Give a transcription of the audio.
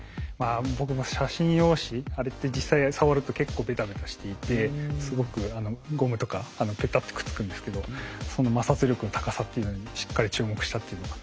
僕も写真用紙あれって実際触ると結構ベタベタしていてすごくゴムとかペタッてくっつくんですけどその摩擦力の高さっていうのにしっかり注目したっていうのが。